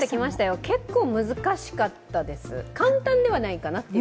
結構難しかったです簡単ではないかなと。